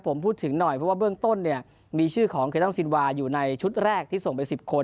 ผมพูดถึงหน่อยเพราะว่าเบื้องต้นเนี่ยมีชื่อของเคลั่งซินวาอยู่ในชุดแรกที่ส่งไป๑๐คน